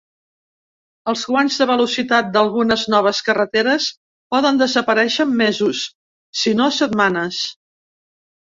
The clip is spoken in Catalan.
Els guanys de velocitat d'algunes noves carreteres poden desaparèixer en mesos, si no setmanes.